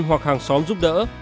hoặc hàng xóm giúp đỡ